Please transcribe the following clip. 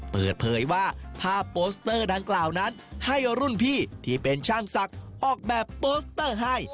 เปิดเผยว่าภาพโปสเตอร์ดังกล่าวนั้นให้รุ่นพี่ที่เป็นช่างศักดิ์ออกแบบโปสเตอร์ให้